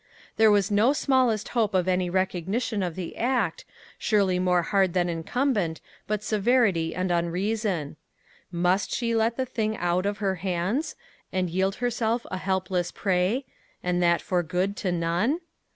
There was no smallest hope of any recognition of the act, surely more hard than incumbent, but severity and unreason; must she let the thing out of her hands, and yield herself a helpless prey and that for good to none?